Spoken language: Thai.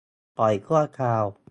ปล่อยชั่วคราว